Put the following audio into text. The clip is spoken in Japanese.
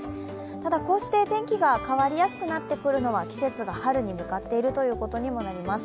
ただ、こうして天気が変わりやすくなってくるのは季節が春に向かっているということにもなります。